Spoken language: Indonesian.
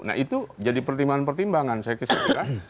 nah itu jadi pertimbangan pertimbangan saya kira